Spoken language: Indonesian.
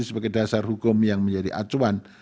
sebagai dasar hukum yang menjadi acuan